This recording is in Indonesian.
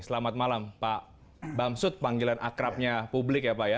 selamat malam pak bamsud panggilan akrabnya publik ya pak ya